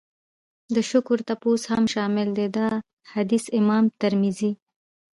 د شکر تپوس هم شامل دی. دا حديث امام ترمذي